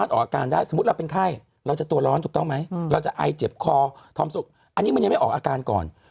เราจะตั่วร้อมถูกต้องไหมเราจะอายเจ็บคอทำทรุกอันนี้มันยังไม่ออกอาการก่อน